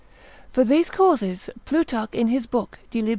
For these causes Plutarch in his book de lib.